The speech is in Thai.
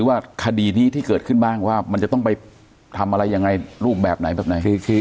ว่าคดีนี้ที่เกิดขึ้นบ้างว่ามันจะต้องไปทำอะไรยังไงรูปแบบไหนแบบไหน